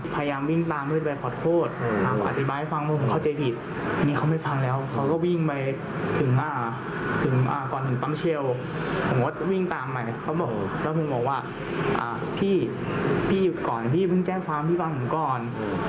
พี่พี่ก่อนพี่เพิ่งแจ้งความพี่ฟังผมก่อน